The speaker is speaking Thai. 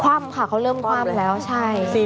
ขวบค่ะเขาเริ่มขวบแล้วใช่